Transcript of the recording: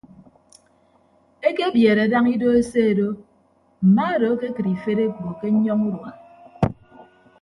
Ekebiodo daña ido eseedo mma odo akekịd ifed ekpo ke nnyọñọ udua.